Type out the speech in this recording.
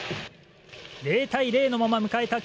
０対０のまま迎えた